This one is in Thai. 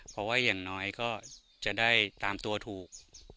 เพราะว่าอย่างน้อยก็จะได้ตามตัวถูก